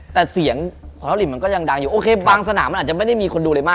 แต่เสียงของเราริมมันก็ยังดังอยู่โอเคบางสนามมันอาจจะไม่ได้มีคนดูอะไรมาก